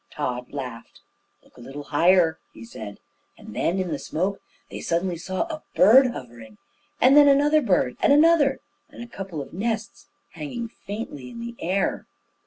Tod laughed. "Look a little higher," he said; and then, in the smoke, they suddenly saw a bird hovering, and then another bird and another, and a couple of nests hanging faintly in the air.